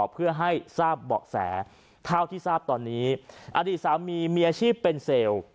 เพื่อให้ทราบเบาะแสเท่าที่ทราบตอนนี้อดีตสามีมีอาชีพเป็นเซลล์